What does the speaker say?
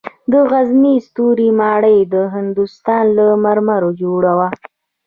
د غزني ستوري ماڼۍ د هندوستان له مرمرو جوړه وه